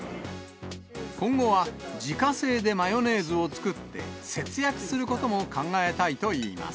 今後は自家製でマヨネーズを作って、節約することも考えたいといいます。